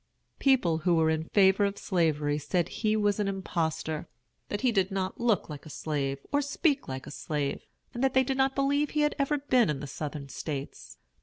People who were in favor of Slavery said he was an impostor; that he did not look like a slave, or speak like a slave; and that they did not believe he had ever been in the Southern States.